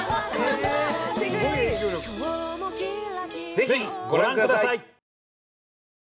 ぜひご覧ください！